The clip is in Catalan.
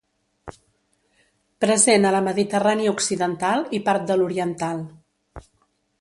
Present a la Mediterrània Occidental i part de l'Oriental.